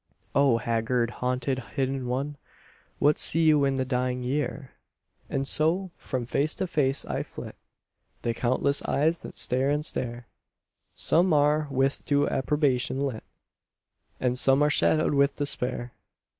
O haggard, haunted, hidden One What see you in the dying year? And so from face to face I flit, The countless eyes that stare and stare; Some are with approbation lit, And some are shadowed with despair.